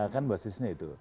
kan basisnya itu